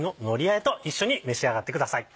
えと一緒に召し上がってください。